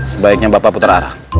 sebaiknya bapak putar arah